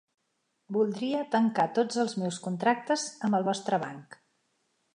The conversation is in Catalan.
Voldria tancar tots els meus contractes amb el vostre banc.